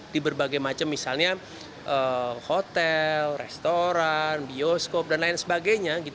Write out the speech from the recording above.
di berbagai macam misalnya hotel restoran bioskop dan lain sebagainya